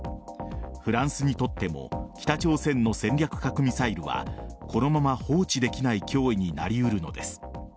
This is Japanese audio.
フランスにとっても北朝鮮の戦略核ミサイルはこのまま放置できない脅威になりうるのです。